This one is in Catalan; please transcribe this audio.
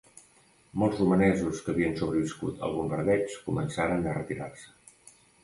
Molts romanesos que havien sobreviscut al bombardeig començaren a retirar-se.